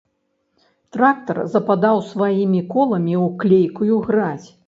Трактар западаў сваімі коламі ў клейкую гразь.